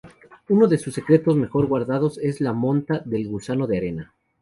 Uno de sus secretos mejor guardados es la monta del gusano de arena.